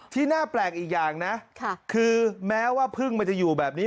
ที่น่าแปลกอีกอย่างนะคือแม้ว่าพึ่งมันจะอยู่แบบนี้